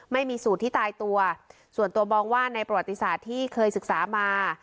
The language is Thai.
ไม่มีสูตรที่ตายตัวส่วนตัวมองว่าในประวัติศาสตร์ที่เคยศึกษามา